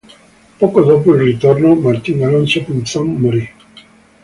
Poco dopo il ritorno, Martín Alonso Pinzón morì.